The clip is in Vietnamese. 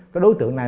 cái đối tượng này